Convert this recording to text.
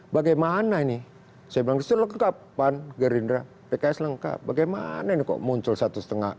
bagaimana ini saya mengusul kekapan gerindra pks lengkap bagaimana ini kok muncul satu setengah